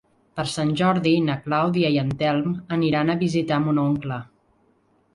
Per Sant Jordi na Clàudia i en Telm aniran a visitar mon oncle.